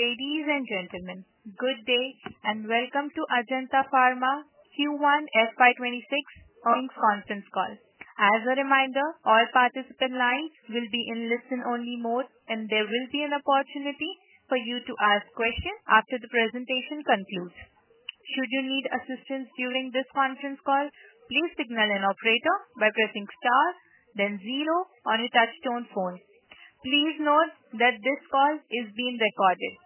Ladies and gentlemen, good day and welcome to Ajanta Pharma Q1 FY 2026 earnings conference call. As a reminder, all participant lines will be in listen-only mode and there will be an opportunity for you to ask questions after the presentation concludes. Should you need assistance during this conference call, please signal an operator by pressing star then zero on your touchtone phone. Please note that this call is being recorded.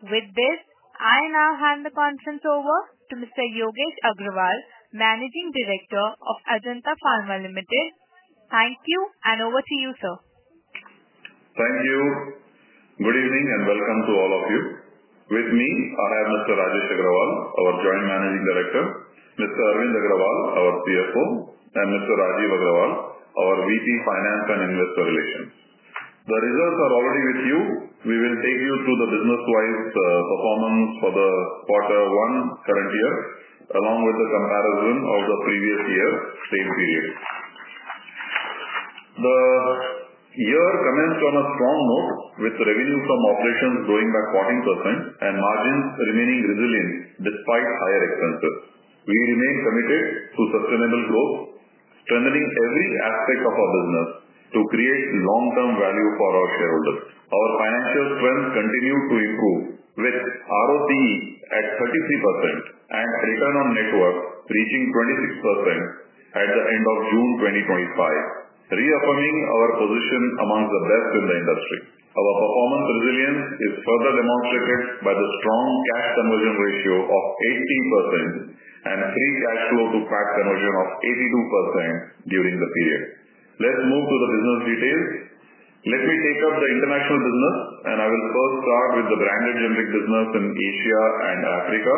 With this, I now hand the conference over to Mr. Yogesh Agrawal, Managing Director of Ajanta Pharma Limited. Thank you, and over to you, sir. Thank you. Good evening and welcome to all of you. With me I have Mr. Rajesh Agrawal, our Joint Managing Director, Mr. Arvind Agrawal, our CFO, and Mr. Rajeev Agarwal, our VP Finance and Investor Relations. The results are already with you. We will take you through the business-wise performance for the quarter one current year along with the comparison of the previous year same period. The year commenced on a strong note, with revenue from operations growing by 14% and margins remaining resilient despite higher expenses. We remain committed to sustainable growth, strengthening every aspect of our business to create long-term value for our shareholders. Our financial strength continued to improve with ROCE at 33% and return on net worth reaching 26% at the end of June 2025, reaffirming our position among the best in the industry. Our performance resilience is further demonstrated by the strong cash conversion ratio of 18% and free cash flow to PAT conversion of 82% during the period. Let's move to the business details. Let me take up the international business and I will first start with the Branded Generics business in Asia and Africa,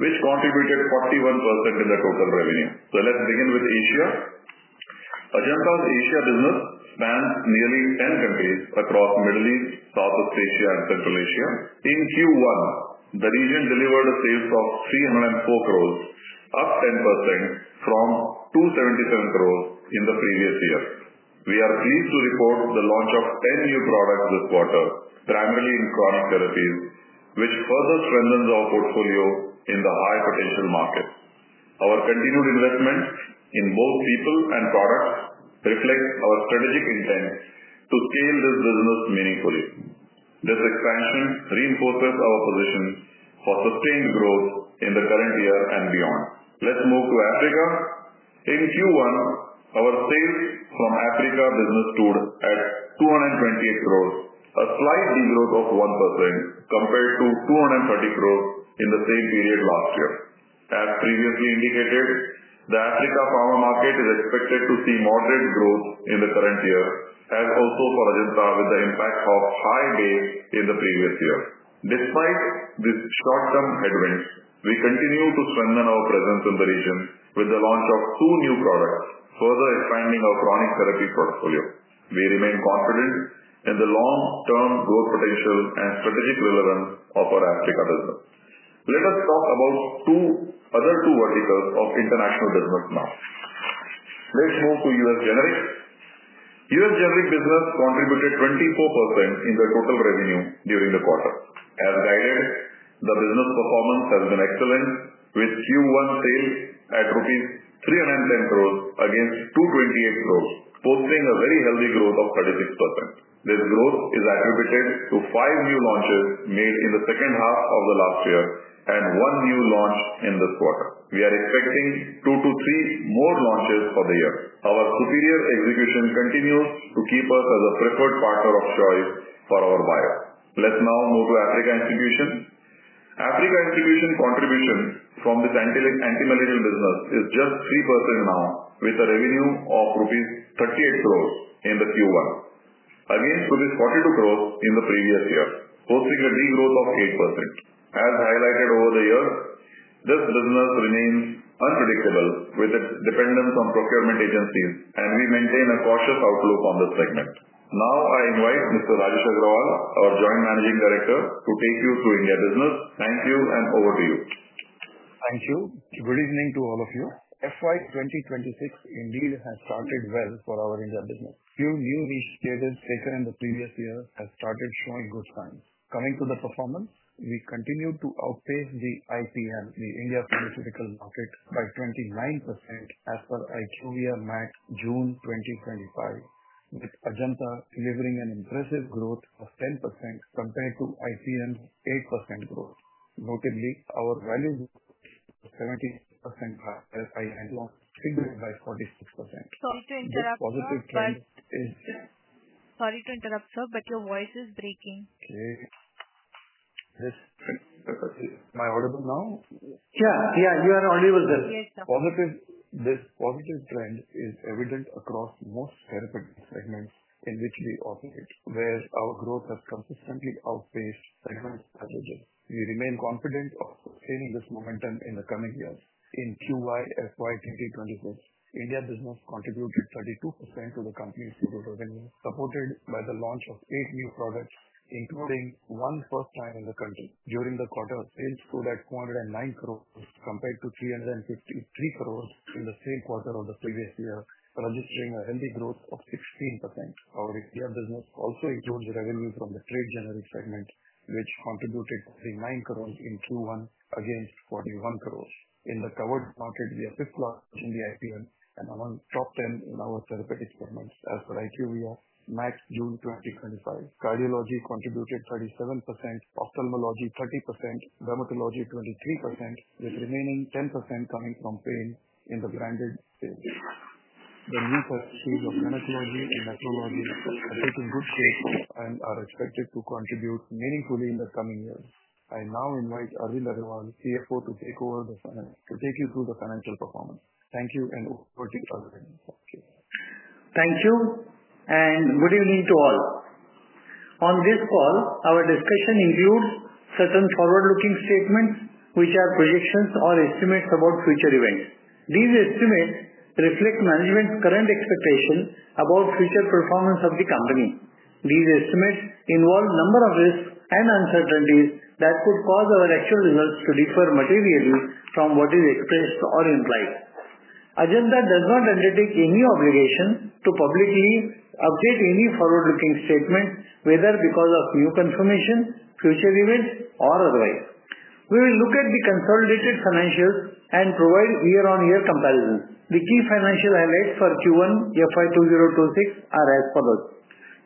which contributed 41% in the total revenue. Let's begin with Asia. Ajanta's Asia business spans nearly 10 countries across Middle East, Southeast Asia, and Central Asia. In Q1, the region delivered sales of 304 crores, up 10% from 277 crores in the previous year. We are pleased to report the launch of 10 new products this quarter, primarily in chronic therapies, which further strengthens our portfolio in the high potential market. Our continued investment in both people and products reflects our strategic intent to scale this business meaningfully. This expansion reinforces our position for sustained growth in the current year and beyond. Let's move to Africa. In Q1, our sales from Africa business stood at 228 crores, a slight degrowth of 1% compared to 230 crores in the same period last year. As previously indicated, the Africa pharma market is expected to see moderate growth in the current year as also for Ajanta with the impact of high base in the previous year. Despite these short-term headwinds, we continue to strengthen our presence in the region with the launch of two new products, further expanding our chronic therapy portfolio. We remain confident in the long-term growth potential and strategic relevance of our Africa business. Let us talk about two other verticals of International Business. Now let's move to U.S. Generics. U.S. Generics business contributed 24% in the total revenue during the quarter. As guided, the business performance has been excellent with Q1 sales at rupees 310 crores against 228 crores, posting a very healthy growth of 36%. This growth is attributed to five new launches made in the second half of the last year and one new launch in this quarter. We are expecting two to three more launches for the year. Our superior execution continues to keep us as a preferred partner of choice for our buyer. Let's now move to Africa Institution. Africa Institution contribution from this anti-malarial business is just 3% now with a revenue of rupees 38 crores in Q1 against rupees 42 crores in the previous year, posting a degrowth of 8%. As highlighted over the year, this business remains unpredictable with its dependence on procurement agencies and we maintain a cautious outlook on this segment. Now I invite Mr. Rajesh Agrawal, our Joint Managing Director, to take you through India business. Thank you, and over to you. Thank you. Good evening to all of you. FY 2026 indeed has started well for our India business. Few new initiatives taken in the previous year have started showing good signs coming to the performance. We continue to outpace the IPM and the Indian Pharmaceutical Market by 29% as per IQVIA MAT June 2025 with Ajanta delivering an impressive growth of 10% compared to IPM's 8% growth. Notably our value 70% by 46%. Sorry to interrupt. Sorry to interrupt, sir, but your voice is breaking. Am I audible now? Yeah, yeah, you are audible now. Yes, sir. This positive trend is evident across most therapeutic segments in which we operate where our growth has consistently outpaced segments. As a general, we remain confident of sustaining this momentum in the coming years. In Q1 FY 2026, India business contributed 32% to the company's revenue supported by the launch of eight new products including one first time in the country. During the quarter, sales stood at 409 crores compared to 353 crores in the same quarter of the previous year, registering a healthy growth of 16%. Our India business also includes revenue from the Trade Generics segment which contributed 39 crores in Q1 against 41 crores in the covered market. We are 5th class in the IPM and among top 10 in our therapeutic segments. As for IQVIA, for MAT June 2025, Cardiology contributed 37%, Ophthalmology 30%, Dermatology 23%, with remaining 10% coming from pain in the branded phase. The new test stage of gynecology and nephrology have taken good shape and are expected to contribute meaningfully in the coming years. I now invite Arvind Agrawal, CFO, to take over the panel to take you through the financial performance. Thank you and over to you. Thank you and good evening to all. On this call our discussion includes certain forward-looking statements which are projections or estimates about future events. These estimates reflect management's current expectations about future performance of the company. These estimates involve a number of risks and uncertainties that could cause our actual results to differ materially from what is expressed or implied. Ajanta does not undertake any obligation to publicly update any forward-looking statement whether because of new confirmation, future events or otherwise. We will look at the consolidated financials and provide year on year comparisons. The key financial highlights for Q1 FY 2026 are as follows.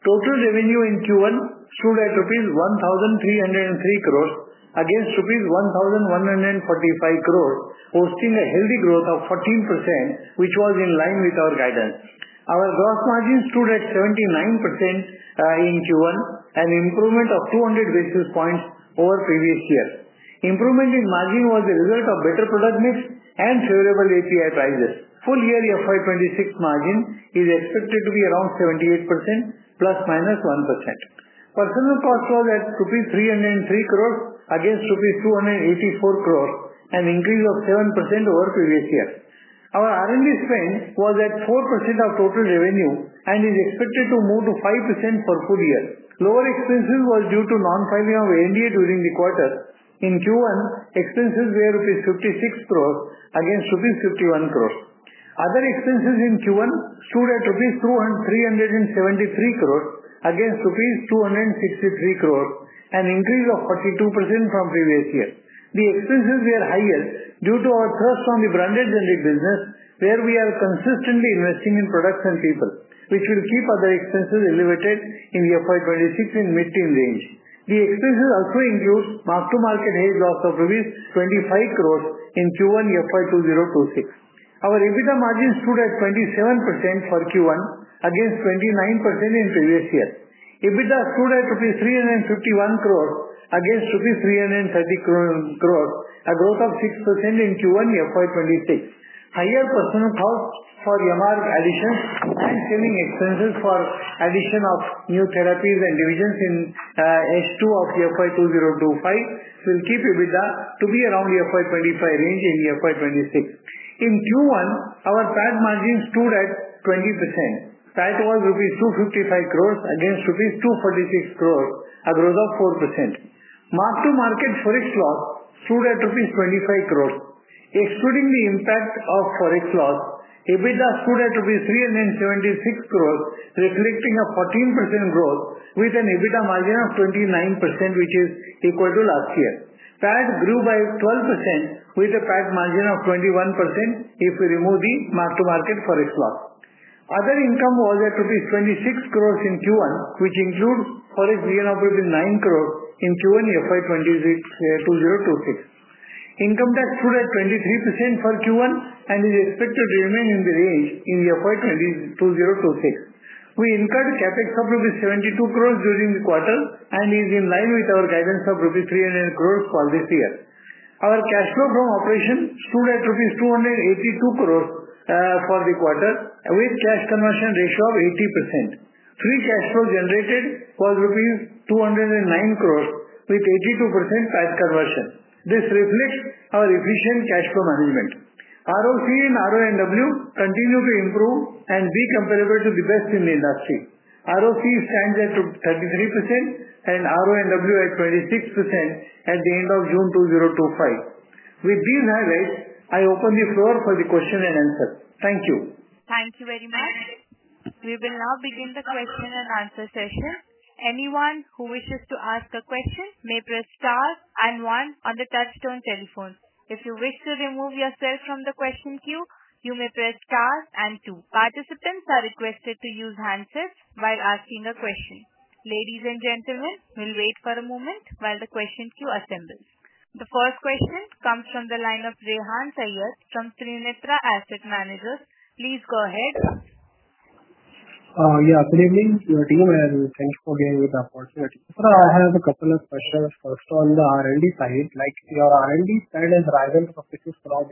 Total revenue in Q1 stood at 1,303 crore rupees against 1,145 crore rupees, posting a healthy growth of 14% which was in line with our guidance. Our gross margin stood at 79% in Q1, an improvement of 200 basis points over previous year. Improvement in margin was a result of better product mix and favorable API prices. Full year FY 2026 margin is expected to be around 78% ±1%. Personnel cost showed at rupees 303 crore against rupees 284 crore, an increase of 7% over previous year. Our R&D spend was at 4% of total revenue and is expected to move to 5% for full year. Lower expenses were due to non-filing of ANDA during the quarter. In Q1, expenses were rupees 56 crore against rupees 51 crore. Other expenses in Q1 stood at rupees 373 crore against rupees 263 crore, an increase of 42% from previous year. The expenses were higher due to our thrust on the Branded Generics business where we are consistently investing in products and people which will keep other expenses elevated in FY 2026 in mid-teen range. The expenses also include mark-to-market hedge loss of INR 25 crore in Q1 FY 2026. Our EBITDA margin stood at 27% for Q1 against 29% in previous year. EBITDA stood at rupees 351 crore against rupees 330 crore, a growth of 6% in Q1 FY 2026. Higher percentage cost for MR additions and saving expenses for addition of new therapies and divisions in H2 of FY 2025 will keep EBITDA to be around FY 2025 range in FY 2026. In Q1, our PAT margin stood at 20%. PAT was 255 crore rupees against 246 crore rupees, a growth of 4%. Mark-to-market FOREX loss stood at 25 crore rupees. Excluding the impact of FOREX loss, EBITDA stood at 376 crore rupees reflecting a 14% growth with an EBITDA margin of 29% which is equal to last year. PAT grew by 12% with a PAT margin of 21% if we remove the mark to market FOREX loss. Other income was at 26 crore in Q1, which includes FOREX gain of INR 9 crore in Q1 FY 2026. Income tax stood at 23% for Q1 and is expected to remain in the range in FY 2026. We incurred CapEx of rupees 72 crore during the quarter and is in line with our guidance of rupees 300 crore for this year. Our cash flow from operation stood at rupees 282 crore for the quarter with cash conversion ratio of 80%. Free cash flow generated was 209 crore rupees with 82% cash conversion. This reflects our efficient cash flow management. ROCE and RONW continue to improve and be comparable to the best in the industry. ROCE stands at 33% and RONW at 26% at the end of June 2025. With these highlights, I open the floor for the question and answer. Thank you. Thank you very much. We will now begin the question and answer session. Anyone who wishes to ask a question may press star and one on the touchstone telephone. If you wish to remove yourself from the question queue, you may press star and two. Participants are requested to use handsets while asking a question. Ladies and gentlemen, we'll wait for a moment while the question queue assembles. The first question comes from the line of Rehan Saiyyed from Trinetra Asset Managers. Please go ahead. Yeah. Good evening to your team and thanks for giving me the opportunity. Sir, I have a couple of questions. First, on the R&D side, like your R&D spend has risen from the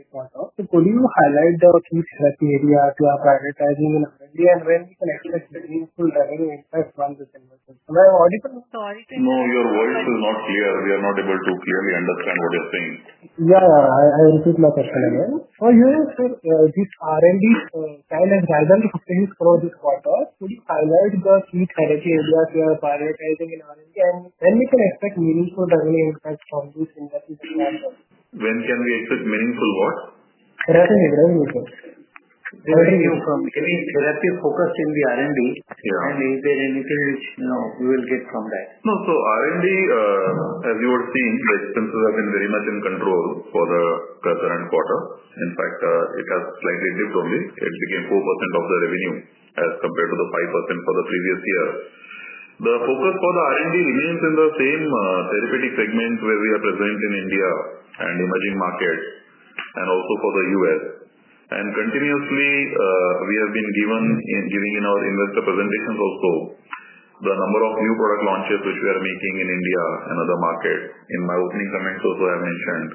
quarter. Could you highlight the key select areas you have prioritized and when we can expect the meaningful revenue insight from this? No, your voice is not clear. We are not able to clearly understand what you're saying. I repeat my question again for you, sir. This R&D challenge has crore this quarter. Could you highlight the key therapy areas we are prioritizing in R&D and when we can expect meaningful revenue impact from this industry? When can we expect meaningful what? focus in the R&D and is there anything which we will get from that? No. R&D, as you were seeing, the expenses have been very much in control for the current quarter. In fact, it has slightly dipped. It became 4% of the revenue as compared to 5% for the previous year. The focus for the R&D remains in the same therapeutic segment where we are present in India and emerging markets and also for the U.S., and continuously we have been giving in our investor presentations also the number of new product launches which we are making in India and other markets. In my opening comments also I mentioned,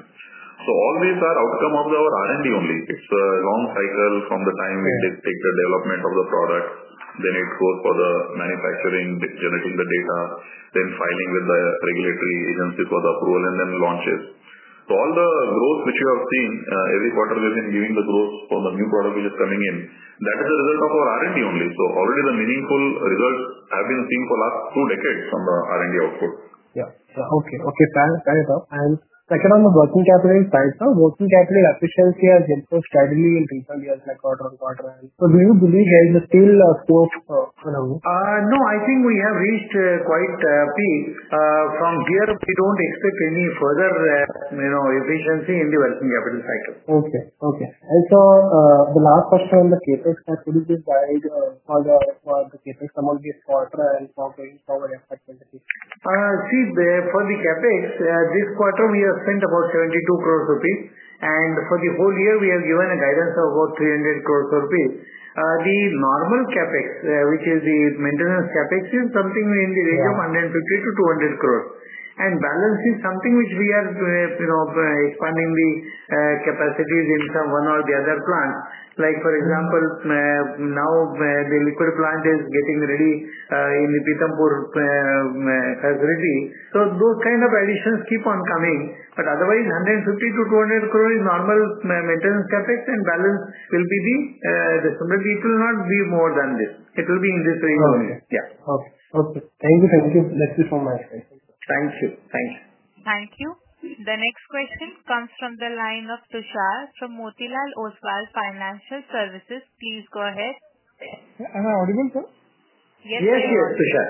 all these are outcome of our R&D only. It's a long cycle. From the time we take the development of the product, then it goes for the manufacturing, generating the data, then filing with the regulatory agency for the approval, and then launches. All the growth which you have seen every quarter, we have been giving the growth for the new product which is coming in, that is a result of our R&D only. Already the meaningful results have been seen for last two decades on the R&D output. Okay, fair enough. Second, on the working capital side, sir, working capital efficiency has helped us steadily in recent years, like quarter on quarter end. Do you believe there is a still scope? No, I think we have reached quite a peak from here. We don't expect any further efficiency in developing capital cycle. Okay. Okay. The last question on the CapEx among this quarter and for For the CapEx, this quarter we have spent about 72 crore rupees and for the whole year we have given a guidance of about 300 crore rupees. The normal CapEx, which is the maintenance CapEx, is something in the range of 150-200 crore and balance is something which we are expanding the capacities in one or the other plant. For example, now the liquid plant is getting ready in the Pithampur facility. Those kinds of additions keep on coming. Otherwise, 150-200 crore is normal maintenance CapEx and balance will be the expansion. It will not be more than this. It will be industry. Okay. Okay. Thank you. That's it for me. Thank you. Thank you. Thank you. The next question comes from the line of Tushar from Motilal Oswal Financial Services. Please go ahead. Am I audible, sir? Yes, yes, yes.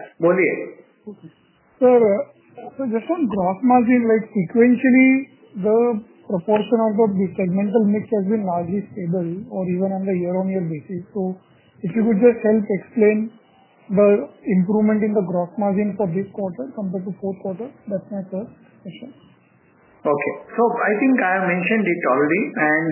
Just on gross margin, like sequentially the proportion of the segmental mix has been largely stable or even on the year-on-year basis. If you could just help explain the improvement in the gross margin for this quarter compared to fourth quarter. That's my first question. Okay, so I think I have mentioned it already and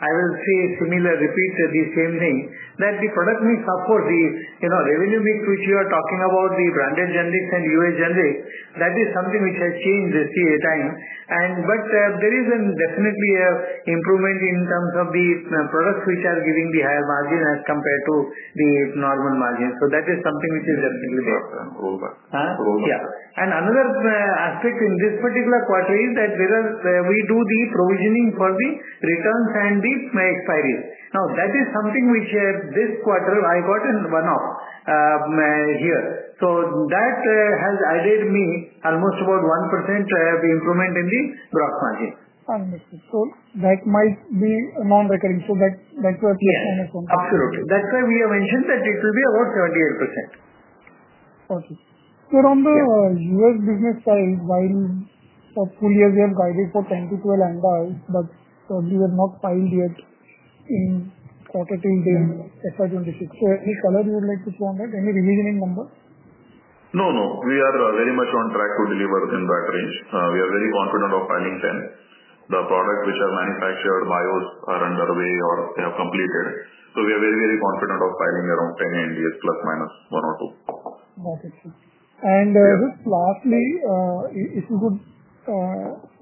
I will say similar, repeat the same thing that the product mix supports the revenue mix which you are talking about, the Branded Generics and U.S. Generics. That is something which has changed time. There is definitely an improvement in terms of the products which are giving the higher margin as compared to the normal margin. That is something which is relatively big. Another aspect in this particular quarter is that we do the provisioning for the returns and the expiry. That is something which this quarter I got in one off here. That has added me almost about 1% improvement in the gross margin. That might be non-recurring, that's why. Absolutely. That's why we have mentioned that it will be about 78%. Okay. On the U.S. business side, while for full year they have guided for 10-12 ANDAs, but these are not filed yet in quarter till date FY 2026. Any color you would like to show on that, any revisioning number? We are very much on track to deliver in that range. We are very confident of filing 10, the products which are manufactured, bios are underway or they have completed. We are very, very confident of filing around 10 ANDAs, ±1 or 2. Got it. Lastly, if you could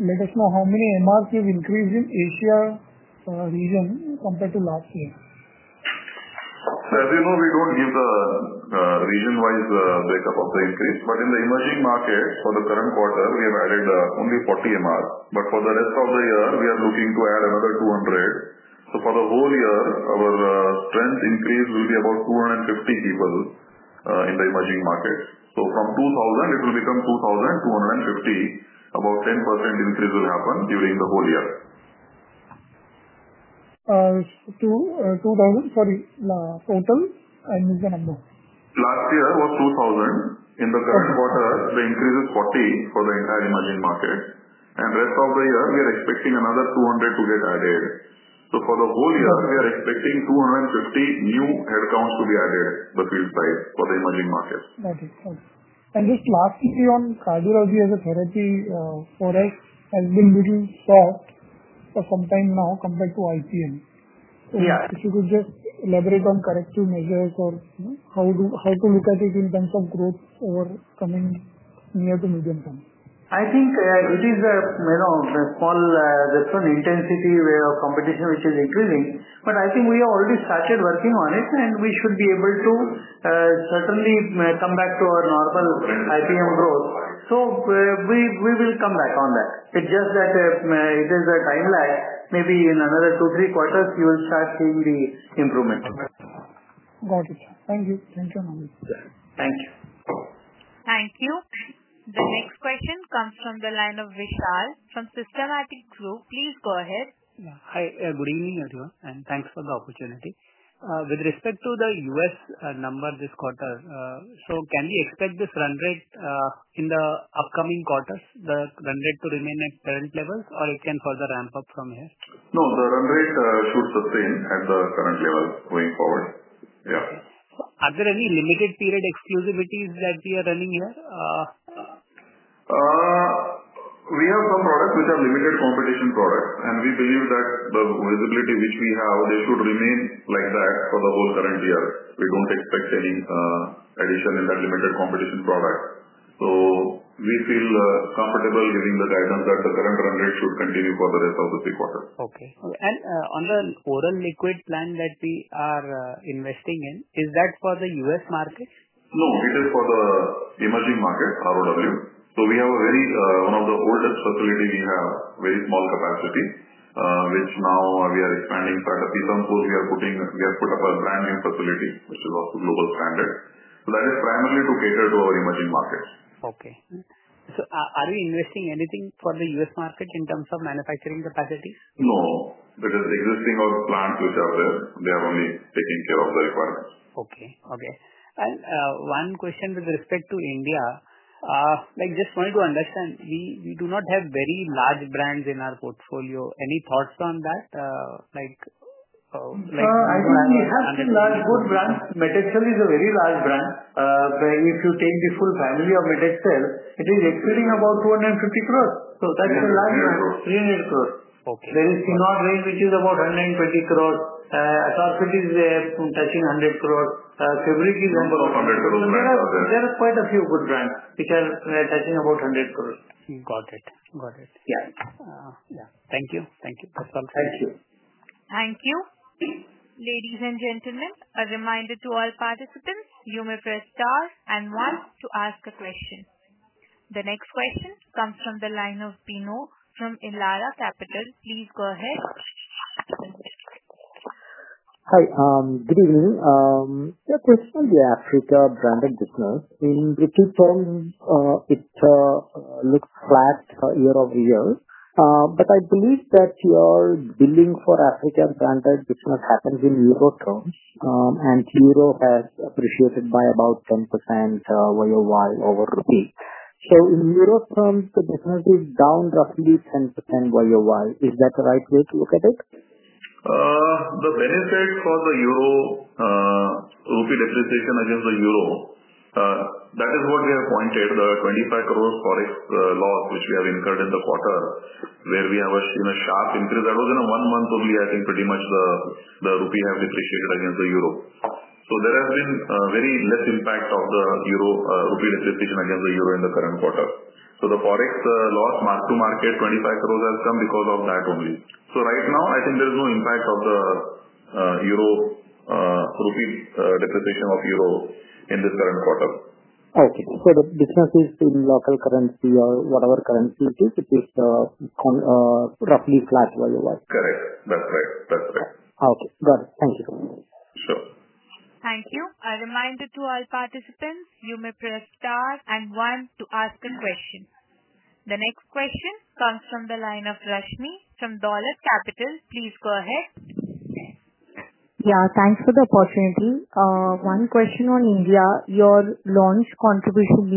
let us know how many MRs you've increased in Asia region compared to last year. As you know, we don't need the region-wise breakup of the increase, but in the emerging markets for the current quarter, we have added only 40 MR. For the rest of the year, we are looking to add another 200. For the whole year, our strength increase will be about 250 people in the emerging markets. From 2,000, it will become 2,250. About 10% increase will happen during the whole year. 2,000, sorry, total, I missed the number. Last year was 2,000. In the current quarter, the increase is 40 for the entire emerging market, and for the rest of the year, we are expecting another 200 to get added. For the whole year, we are expecting 250 new headcounts to be added to the field site for the emerging markets. Lastly, on Cardiology as a therapy for us, it has been a little soft for some time now compared to IPM. If you could just elaborate on corrective measures or how to look at it in terms of growth over the coming near to medium-term. I think it is an intensity of competition which is increasing. I think we have already started working on it and we should be able to certainly come back to our normal IPM growth. We will come back on that. It's just that it is a time lag. Maybe in another two, three quarters you will start seeing the improvement. Got it, sir. Thank you. Thank you. Thank you. Thank you. The next question comes from the line of Vishal from Systematix Group. Please go ahead. Hi, good evening everyone, and thanks for the opportunity. With respect to the U.S. number this quarter, can we expect this run rate in the upcoming quarters? The run rate to remain at current levels, or can it further ramp up from here? No, the run rate should sustain at the current level going forward. Are there any limited period exclusivities that we are running here? We have some products which are limited competition products, and we believe that the visibility which we have, they should remain like that for the whole current year. We don't expect any addition in that limited competition product. We feel comfortable giving the guidance that the current run rate should continue for the rest of the three quarters. Okay. On the oral liquid plant that we are investing in, is that for the U.S. market? No, it is for the emerging market, ROW. We have one of the oldest facilities. We have very small capacity, which now we are expanding, Pithampur we have put a brand-new facility, which is also global standard. That is primarily to cater to our emerging markets. Okay, are we investing anything for the U.S. market in terms of manufacturing capacities? No, it is existing, or plants which are there, they are only taking care of the requirements. Okay. Okay. One question with respect to India, just wanted to understand, we do not have very large brands in our portfolio. Any thoughts on that? I think we have large both brands. Met XL is a very large brand. If you take the full family of Met XL, it is exceeding about 250 crore. That is a large brand of 300 crore. There is Cindol range, which is about 120 crore. Atorfit is touching 100 crore. Feburic, there are quite a few good brands which are touching about 100 crore. Got it. Got it. Thank you. Thank you. Thank you. Ladies and gentlemen, a reminder to all participants. You may press star and one to ask a question. The next question comes from the line of Bino from Elara Capital. Please go ahead. Hi, good evening. Your question, the Africa branded business in British terms, it looks flat year-over-year. I believe that your billing for Africa branded business happens in euro terms and euro has appreciated by about 10% Y-o-Y over rupee. In euro terms, the difference is down roughly 10% Y-o-Y. Is that the right way to look at it? The benefit for the rupee depreciation against the euro, that is what we have pointed, the 25 crore FOREX loss which we have incurred in the quarter where we have a sharp increase, that was in one month only. I think pretty much the rupee has depreciated against the euro. There has been very less impact of the rupee depreciation against the euro in the current quarter. The FOREX loss mark-to-market 25 crore has come because of that only. Right now I think there is no impact of the rupee depreciation of euro in this current quarter. Okay, the difference is in local currency or whatever currency it is. It is roughly flat Y-o-Y? Correct. That's right. That's right. Okay, got it. Thank you. Sure. Thank you. A reminder to all participants, you may press star and one to ask a question. The next question comes from the line of Rashmi from Dolat Capital. Please go ahead. Yeah, thanks for the opportunity. One question on India. Your new launch contribution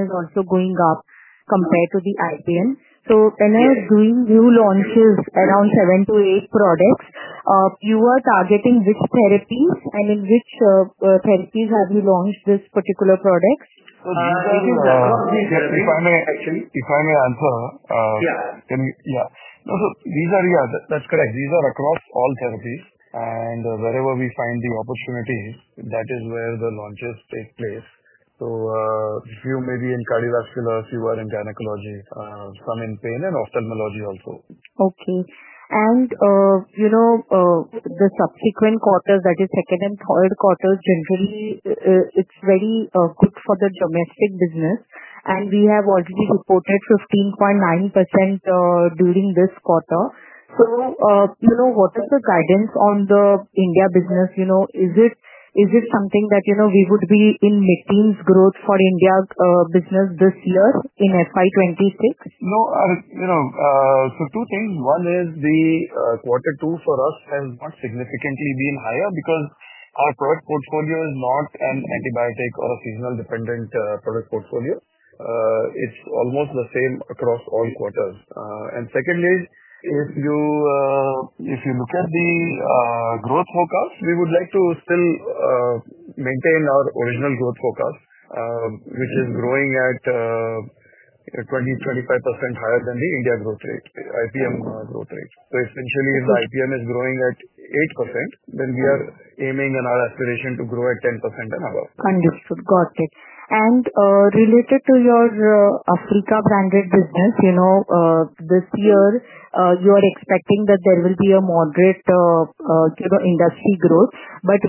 is also going up compared to the IPM. Whenever you launch around seven to eight products, you are targeting which therapies, and in which therapies have you launched these particular products. If I may answer. Yes, that's correct. These are across all therapies and wherever we find the opportunity, that is where the launches take place. A few may be in Cardiology, fewer in Gynecology, some in Pain and Ophthalmology also. Okay. The subsequent quarters, that is second and third quarters, generally it's very good for the domestic business. We have already reported 15.9% during this quarter. What is the guidance on the India business? Is it something that we would be in mid-teen's growth for India business this year in FY 2026? Two things. One is the quarter two for us has not significantly been higher because our product portfolio is not an antibiotic or seasonal dependent product portfolio. It's almost the same across all quarters. Secondly, if you look at the growth forecast, we would like to maintain our original growth forecast which is growing at 20%-25% higher than the India growth rate, IPM growth rate. Essentially, if the IPM is growing at 8%, then we are aiming in our aspiration to grow at 10% and above. Understood. Got it. Related to your Africa branded business, this year you are expecting that there will be a moderate industry growth.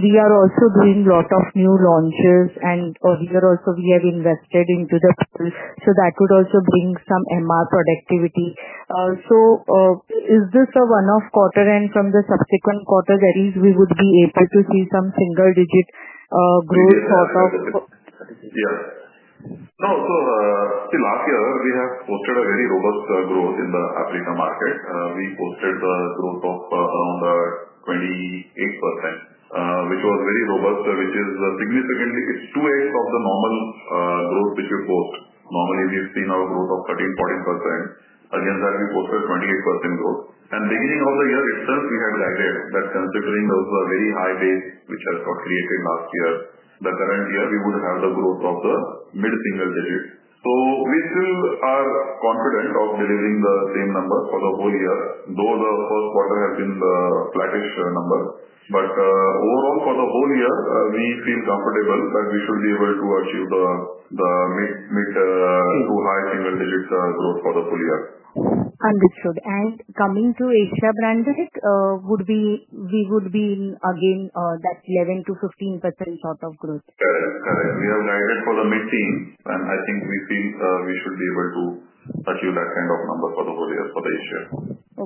We are also doing a lot of new launches, also we have invested into the people. That would also bring some MR productivity. Is this a one-off quarter? From the subsequent quarters at least we would be able to see some single-digit growth. Last year we have posted a very robust growth in the Africa market. We posted the growth of around 28%, which was very robust, which is significantly, it's 2x of the normal growth which we post. Normally we've seen our growth of 13%, 14%. Against that we posted 28% growth. At the beginning of the year itself we had guided that considering those were very high base which has got created last year, the current year we would have the growth of the mid single digits. We still are confident of delivering the same number for the whole year, though the first quarter has been the flattish number. Overall for the whole year we feel comfortable that we should be able to achieve the mid to high single-digit growth for the full year. Understood. Coming to Asia branded, we would be again at that 11%-15% sort of growth. Correct. We have guided for the mid teens, and I think we feel we should be able to achieve that kind of number for the whole year for Asia.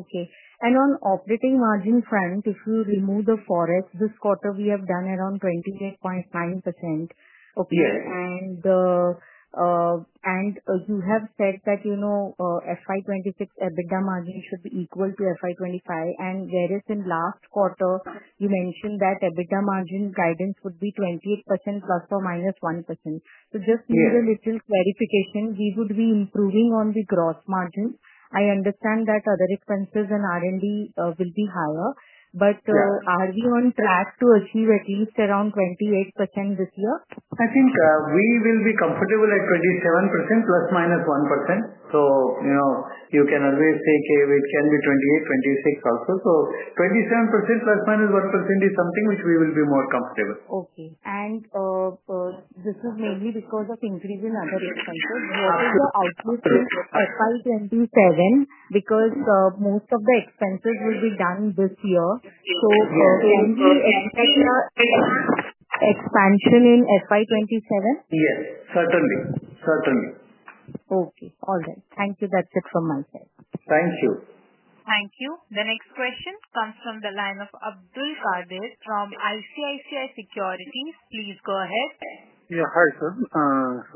Okay. On operating margin front, if you remove the FOREX, this quarter we have done around 28.9%. You have said that you know FY 2026 EBITDA margin should be equal to FY 2025, whereas in last quarter you mentioned that EBITDA margin guidance would be 28% ±1%. I just need a little clarification. We would be improving on the gross margin. I understand that other expenses in R&D will be higher. Are we on track to achieve at least around 28% this year? I think we will be comfortable at 27% ±1%. You know, you can always say it can be 28%, 26% also. 27% ±1% is something which we will be more comfortable. Okay. This is mainly because of increase in other expenses. What is the outlook for FY 2027 because most of the expenses will be done this year? So, can we expect expansion in expansion in FY 2027? Yes, certainly. Okay. All right, thank you. That's it from my side. Thank you. Thank you. The next question comes from the line of Abdulkader from ICICI Securities, please go ahead. Yeah. Hi sir.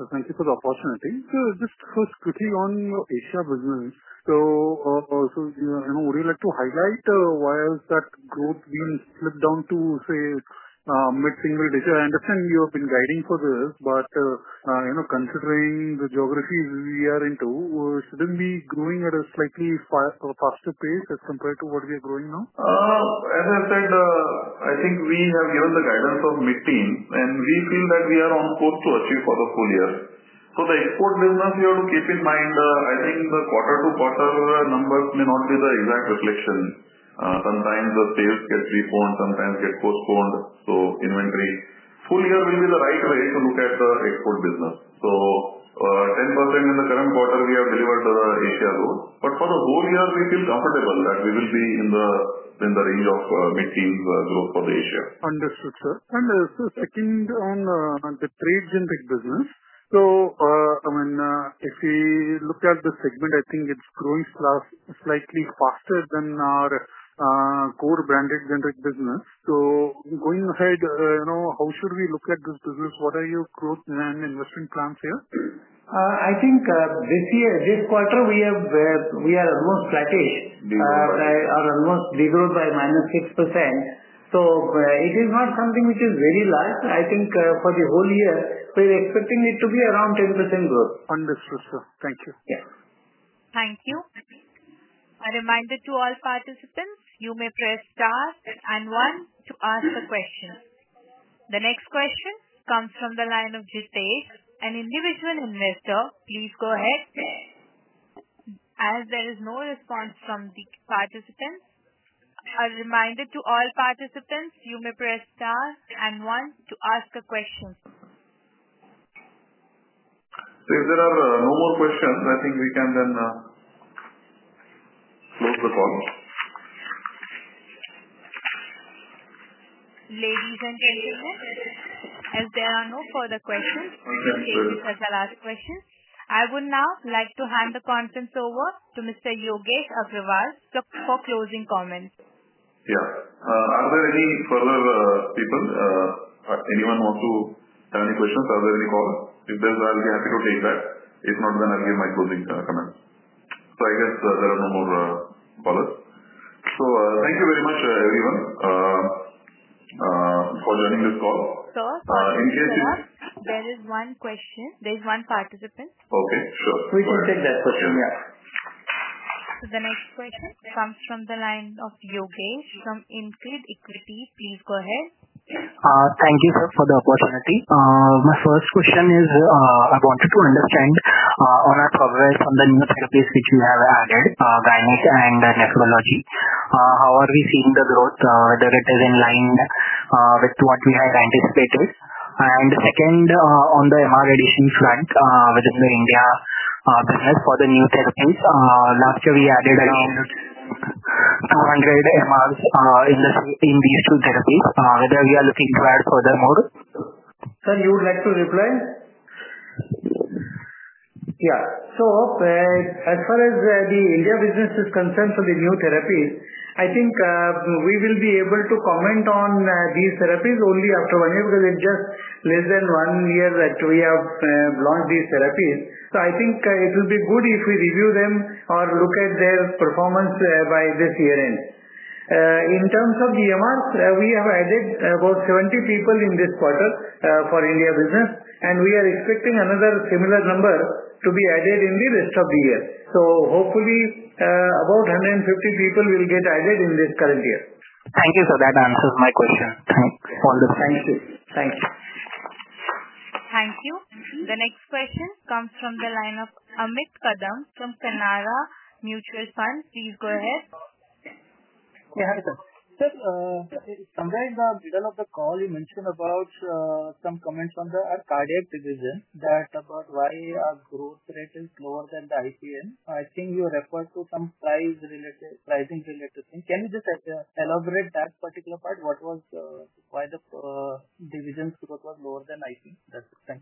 Thank you for the opportunity. Just first quickly on Asia business, would you like to highlight why has that growth been split down to say mid-single-digit? I understand you have been guiding for this, but considering the geographies we are into, shouldn't it be growing at a slightly faster pace as compared to what we are growing now? As I said, I think we have given guidance of mid teens and we feel that we are on course to achieve for the full year. The export business, you have to keep in mind, the quarter to quarter numbers may not be the exact reflection. Sometimes the sales get refund, sometimes get postponed. Inventory full year will be the right way to look at the export business. 10% in the current quarter we have delivered the Asia growth. For the whole year we feel comfortable that we will be in the range of mid teens growth for Asia. Understood, sir. Second, on the Trade Generic business, if we look at the segment, I think it's growing slightly faster than our core Branded Generics business. Going ahead, how should we look at this business? What are your growth and investment plans here? I think this quarter we are almost flattish, almost degrowth by -6%. It is not something which is very large. I think for the whole year we are expecting it to be around 10% growth. Understood, sir. Thank you. Thank you. A reminder to all participants, you may press star and one to ask a question. The next question comes from the line of Jitesh, an individual investor. Please go ahead. As there is no response from the participants. A reminder to all participants, you may press star and one to ask a question. If there are no more questions, I think we can then close the call. Ladies and gentlemen, as there are no further questions, I would now like to hand the conference over to Mr. Yogesh Agrawal for closing comments. Are there any further people, anyone wants to have any questions? Are there any callers? If there's, I'll be happy to take that. If not, then I'll give my closing comments. I guess there are no more callers. Thank you very much everyone for joining this call. There is one question. There is one participant. Okay, sure. We can take that question, yeah. The next question comes from the line of Yogesh from InCred Equities. Please go ahead. Thank you sir for the opportunity. My first question is I wanted to understand on our coverage from the new therapies which we have added, gynec and nephrology, how are we seeing the growth, whether it is in line with what we had anticipated. Second, on the MR addition front within the India business for the new therapies, last year we added again 200 MRs in these two therapies. Whether we are looking to add further more. Sir, you would like to reply? Yeah. As far as the India business is concerned for the new therapies, I think we will be able to comment on these therapies only after one year because in just less than one year that we have launched these therapies. I think it will be good if we review them or look at their performance by this year end. In terms of the MRs, we have added about 70 people in this quarter for India business and we are expecting another similar number to be added in the rest of the year. Hopefully about 150 people will get added in this current year. Thank you, sir. That answers my question. Thank you. Thank you. Thank you. The next question comes from the line of Amit Kadam from Canara Mutual Fund. Please go ahead. Sir, somewhere in the middle of the call you mentioned about some comments on the cardiac division, about why our growth rate is lower than the IPM. I think you referred to some pricing related thing. Can you just elaborate that particular part? What was why the division was lower than IPM? That's it. Thanks.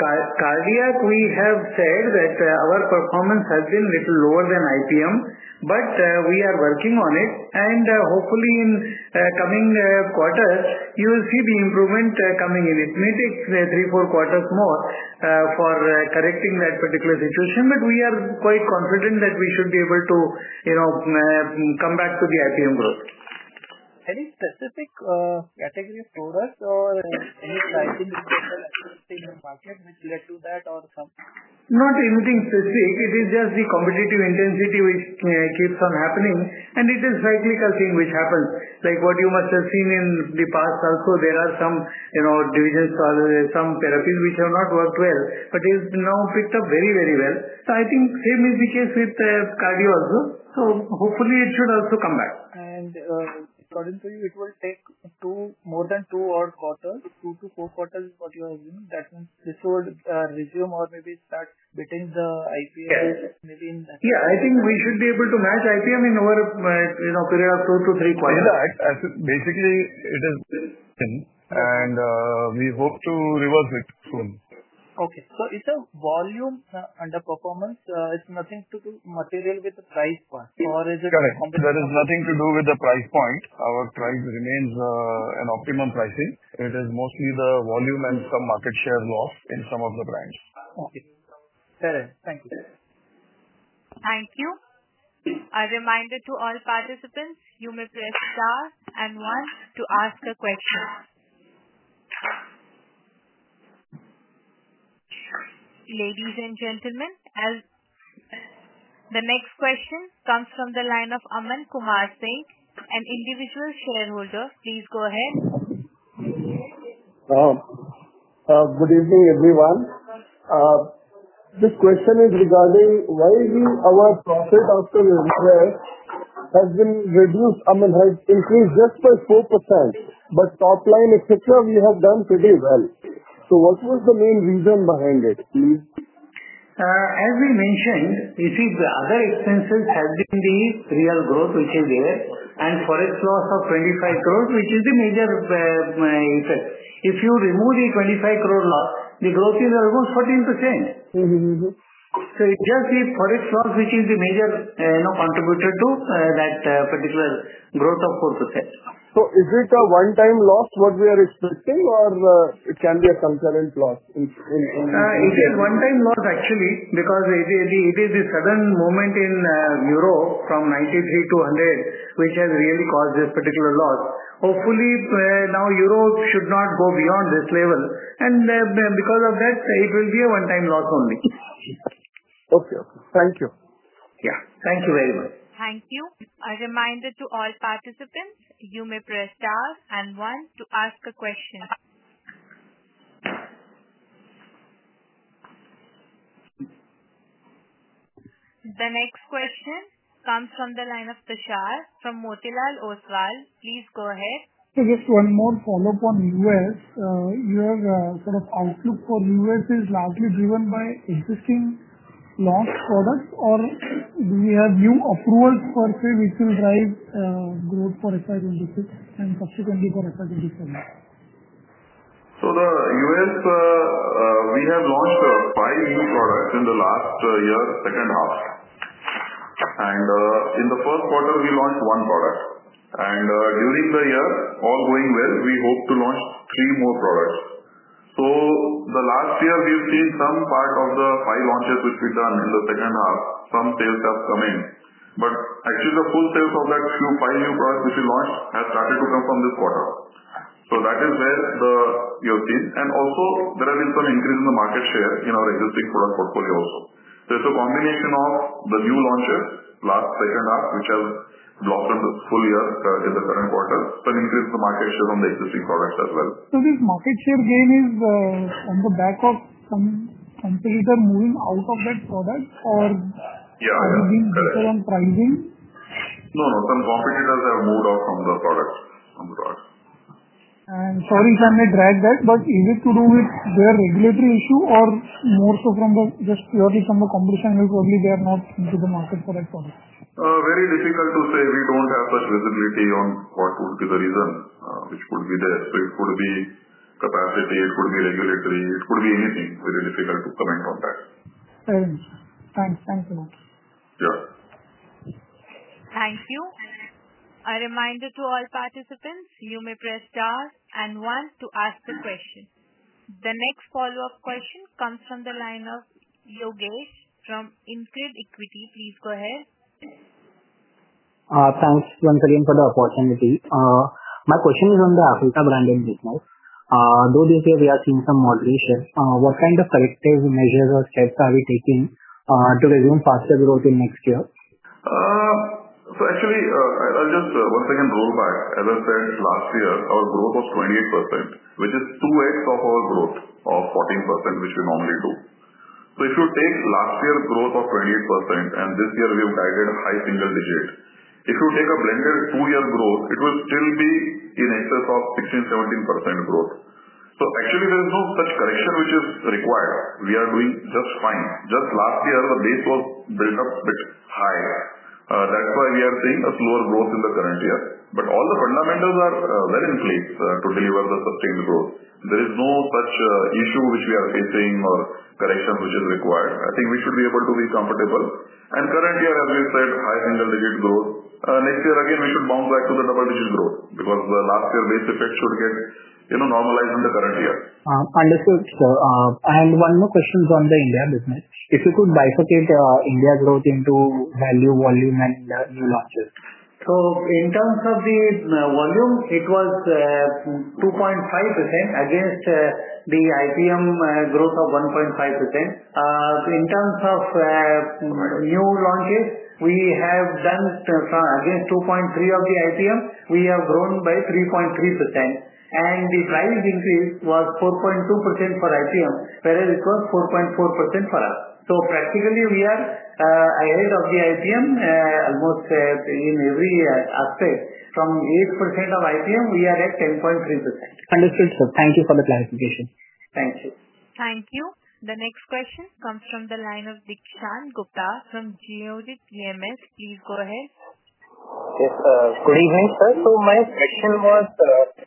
Cardiac, we have said that our performance has been a little lower than IPM, but we are working on it and hopefully in coming quarters you will see the improvement coming in. It may take three, four quarters for correcting that particular situation. We are quite confident that we should be able to come back to the IPM growth. Any specific category of products or any prices in the market, which led to that or something? Not anything specific. It is just the competitive intensity which keeps on happening, and it is a cyclical thing which happens like what you must have seen in the past. Also, there are some divisions or some therapies which have not worked well, but it's now picked up very, very well. I think same is the case with cardio also. Hopefully, it should also come back. According to you, it will take more than two odd quarters. Two to four quarters is what you are assuming. That means this would resume or maybe start between the IPM Yeah, I think we should be able to match IPM in over, you know, period of two to three quarters. Basically, it has been, and we hope to reverse it soon. Okay, so it's a volume underperformance. It's nothing to do material with the price point, or is it? Correct. There is nothing to do with the price point. Our price remains an optimum pricing. It is mostly the volume and some market share loss in some of the brands. Thank you. Thank you. A reminder to all participants, you may press Star and one to ask a question. Ladies and gentlemen, the next question comes from the line of Aman Kumar Singh, an individual shareholder. Please go ahead. Good evening, everyone. This question is regarding why our profit after tax has been reduced, I mean has increased just by 4% but top line, etc. We have done pretty well. What was the main reason behind it please? As we mentioned, you see the other expenses have been the real growth which is there and FOREX loss of 25 crore which is the major effect. If you remove the 25 crore loss, the growth is almost 14%. It is just the FOREX loss which is the major contributor to that particular growth of 4%. Is it a one-time loss what we are expecting, or can it be a concurrent loss? It is a one-time loss actually because it is the sudden movement in Europe from 93 to 100 which has really caused this particular loss. Hopefully, now Europe should not go beyond this level, and because of that it will be a one-time loss only. Okay, thank you. Yeah, thank you very much. Thank you. A reminder to all participants. You may press Star and one to ask a question. The next question comes from the line of Tushar from Motilal Oswal. Please go ahead. Just one more follow up on U.S. Your sort of outlook for U.S. is largely driven by existing launch products, or do we have new approvals per se which will drive growth for FY 2026 and subsequently for FY 2027? In the US, we have launched five new products in the last year, second half, and in the first quarter we launched one product. During the year, all going well, we hope to launch three more products. The last year we've seen some part of the five launches which we done in the second half. Some sales have come in, but actually the full sales of those five new products which we launched has started to come from this quarter. That is where you have seen, and also there have been some increase in the market share in our existing product portfolio. There is a combination of the new launches last second half which has blossomed full year in the current quarter, but increase the market share on the existing products as well. Is this market share gain on the back of some competitor moving out of that product or between different pricing? No, no, some competitors have moved out from the product. And sorry if I may drag that, but is it to do with their regulatory issue, or more so just purely from the competition? Probably they are not into the market for that product. Very difficult to say. We don't have such visibility on what would be the reason which could be there. It could be capacity, it could be regulatory, it could be anything. Very difficult to comment on that. Thank you. Thank you. A reminder to all participants, you may press Star and one to ask the question. The next follow-up question comes from the line of Yogesh from InCred Equities. Please go ahead. Thanks once again for the opportunity. My question is on the Africa branded business. Though this year we are seeing some moderation, what kind of corrective measures or steps are we taking to resume faster growth in next year? Actually, I'll just once again roll back. As I said, last year our growth was 28%, which is 2x of our growth of 14% which we normally do. If you take last year growth of 28% and this year we have guided high single-digit, if you take a blended two-year growth it will still be in excess of 16%, 17% growth. There is no such correction which is required. We are doing just fine. Just last year the base was built up a bit high, that's why we are seeing a slower growth in the current year. All the fundamentals are well in place to deliver the sustained growth. There is no such issue which we are facing or correction which is required. I think we should be able to be comfortable and current year as we said high single-digit growth. Next year again we should bounce back to the double-digit growth because the last year base effect should get normalized in the current year. Understood, sir. One more question on the India business. If you could bifurcate India growth into value, volume, and new launches. In terms of the volume, it was 2.5% against the IPM growth of 1.5%. In terms of new launches, we have done against 2.3% of the IPM, we have grown by 3.3%, and the price increase was 4.2% for IPM, whereas it was 4.4% for us. Practically, we are ahead of the IPM almost in every aspect. From 8% of IPM, we are at 10.3%. Understood, sir. Thank you for the clarification. Thank you. Thank you. The next question comes from the line of Dikshant Gupta from Geojit PMS. Please go ahead. Yes, good evening, sir. My question was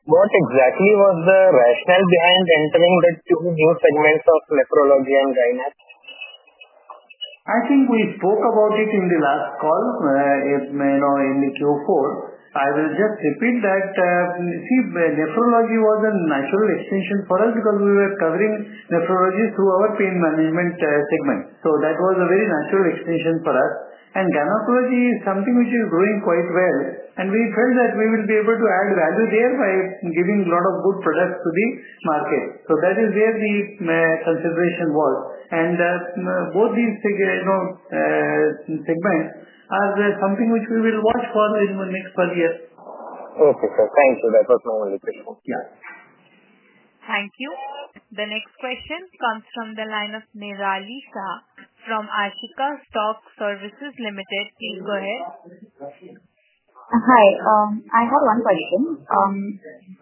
what exactly was the rationale behind entering the two new segments of nephrology and gynec? I think we spoke about it in the last call in Q4. I will just repeat that Nephrology was a natural extension for us because we were covering Nephrology through our Pain Management segment. That was a very natural extension for us. Gynecology is something which is growing quite well, and we felt that we will be able to add value there by giving a lot of good productivity to the market. That is where the consideration was. Both these segments are something which we will watch for in the next one year. Okay, sir, thank you. That was my only question. Thank you. The next question comes from the line of Nirali Shah from Ashika Stock Services Limited. Please go ahead. Hi, I have one question.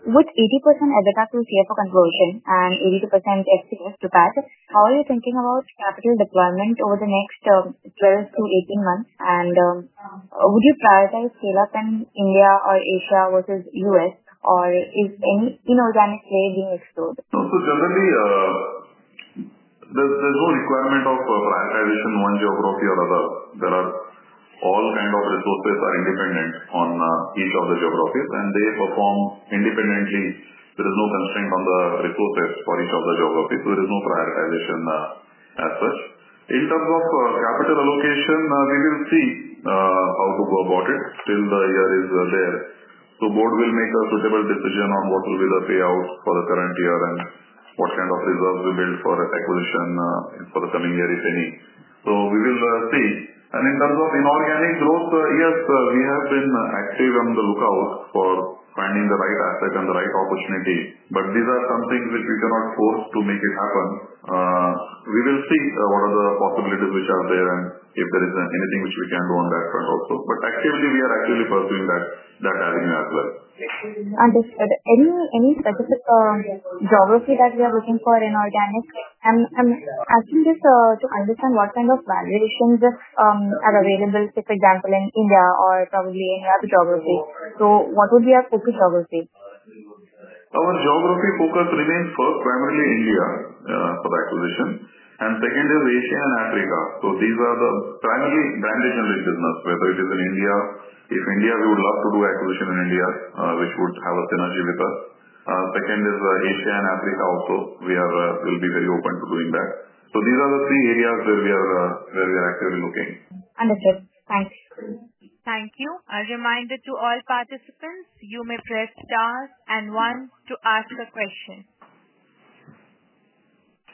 With 80% EBITDA to CFO conversion and 82% FCF to PAT, how are you thinking about capital deployment over the next 12-18 months? Would you prioritize scale up in India or Asia versus U.S. or is any inorganic trade being explored? Generally, there's no requirement of prioritization of one geography or another. All kinds of resources are independent in each of the geographies and they perform independently. There is no constraint on the resources for each of the geographies, so there is no prioritization as such. In terms of capital allocation, we will see how to go about it till the year is there. The Board will make a suitable decision on what will be the payout for the current year and what kind of reserves we build for acquisition for the coming year, if any. We will see. In terms of inorganic growth, yes, we have been active on the lookout for finding the right asset and the right opportunity. These are some things which we cannot force to make happen. We will see what are the possibilities which are there and if there is anything which we can do on that front also. Actively, we are actually pursuing that avenue as well. Understood. Any specific geography that we are looking for in organic, and I'm asking just to understand what kind of valuations are available, say for example in India or probably in geography. What would be our focus geography? Our geography focus remains first, primarily India for the acquisition, and second is Asia and Africa. These are the primary brand engagement business, whether it is in India. If India, we would love to do acquisition in India which would have a synergy with us. Second is Asia and Africa also. We will be very open to doing that. These are the three areas where we are actively looking. Understood. Thanks. Thank you. A reminder to all participants, you may press star and one to ask a question.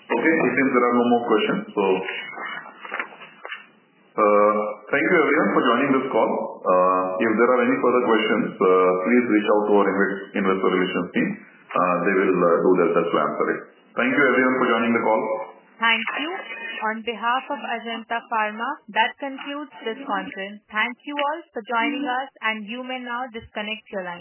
Okay, it seems there are no more questions. Thank you everyone for joining this call. If there are any further questions, please reach out to our Investor Relations team. They will do their best to answer it. Thank you everyone for joining the call. Thank you on behalf of Ajanta Pharma. That concludes this content. Thank you all for joining us. You may now disconnect your line.